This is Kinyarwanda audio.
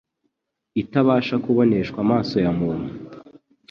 itabasha kuboneshwa amaso ya muntu.